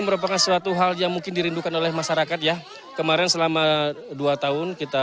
merupakan suatu hal yang mungkin dirindukan oleh masyarakat ya kemarin selama dua tahun kita